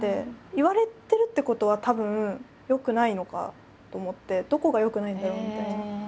「言われてるってことはたぶん良くないのか」と思って「どこが良くないんだろう」みたいな。